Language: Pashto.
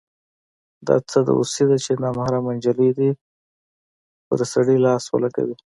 دا څه دوسي ده چې نامحرمه نجلۍ دې پر سړي لاس ولګوي.